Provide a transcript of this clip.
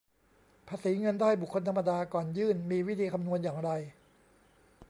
ภาษีเงินได้บุคคลธรรมดา ก่อนยื่นมีวิธีคำนวณอย่างไร